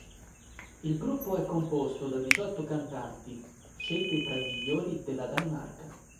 Il gruppo è composto da diciotto cantanti, scelti tra i migliori della Danimarca.